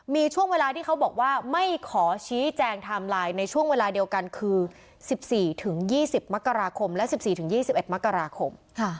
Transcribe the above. มีช่วงเวลาที่เขาบอกว่าไม่ขอชี้แจงไทม์ไลน์ในช่วงเวลาเดียวกันคือ๑๔๒๐มกราคมและ๑๔๒๑มกราคม